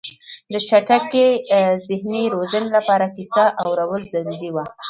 د چټکې ذهني روزنې لپاره کیسه اورول ضروري وه.